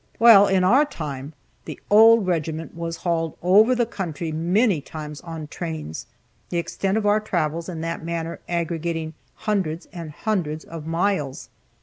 Well, in our time, the old regiment was hauled over the country many times on trains, the extent of our travels in that manner aggregating hundreds and hundreds of miles.